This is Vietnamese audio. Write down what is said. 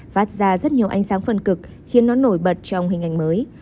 phát ra rất nhiều ánh sáng phân cực khiến nó nổi bật trong hình ảnh mới